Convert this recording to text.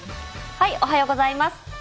おはようございます。